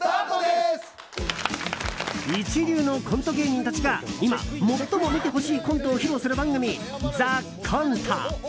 一流のコント芸人たちが今、最も見てほしいコントを披露する番組「ＴＨＥＣＯＮＴＥ」。